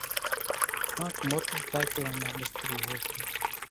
ڪانڪ موٽرسائيڪلان نا مِستري هوئيَ سي۔